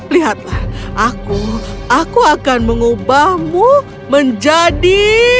lihatlah aku aku akan mengubahmu menjadi